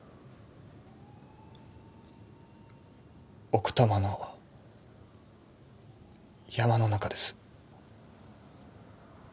奥多摩の山の中です。